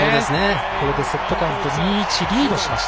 これでセットカウント２−１でリードしました。